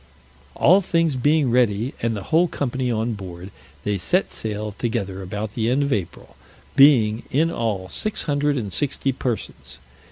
All things being ready, and the whole company on board, they set sail together about the end of April, being, in all, six hundred and sixty persons.